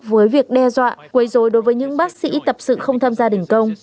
với việc đe dọa quấy dối đối với những bác sĩ tập sự không tham gia đình công